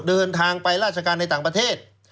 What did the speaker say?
เดินทางไปราชการในต่างประเทศ